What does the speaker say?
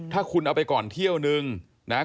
ขอบคุณครับและขอบคุณครับ